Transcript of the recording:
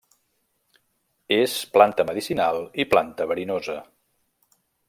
És planta medicinal i planta verinosa.